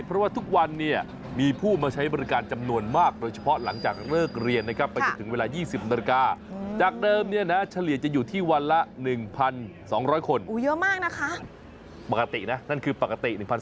ปกตินะนั่นคือปกติ๑๒๐๐คนนี่คือปกติแล้วหรอ